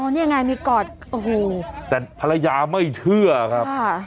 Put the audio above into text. นี่ยังไงมีกอดโอ้โหแต่ภรรยาไม่เชื่อครับ